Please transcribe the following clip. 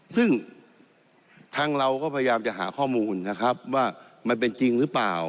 ซึ่งทางเราก็พยายามจะหาข้อมูลนะครับว่ามันเป็นจริงหรือเปล่า